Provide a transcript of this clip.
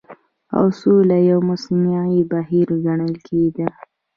او سوله يو مصنوعي بهير ګڼل کېدی